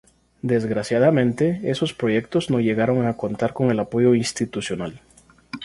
Desgraciadamente, esos proyectos no llegaron a contar con el apoyo institucional.